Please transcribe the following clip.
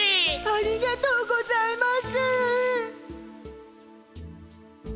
ありがとうございます！